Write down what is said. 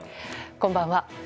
こんばんは。